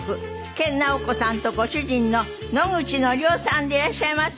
研ナオコさんとご主人の野口典夫さんでいらっしゃいます。